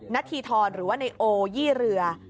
นัทธีธรหรือว่าไนโอยี่เรือ